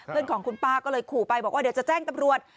เพื่อนของคุณป้าก็เลยขู่ไปบอกว่าเดี๋ยวจะแจ้งตำรวจ